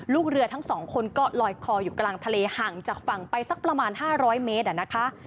ลูกเรือทั้งสองคนก็ลอยคออยู่กลางทะเลห่างจากฝั่งไปสักประมาณ๕๐๐เมตรนะคะ